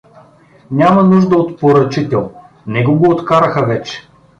— Няма нужда от поръчител, него го откараха вече.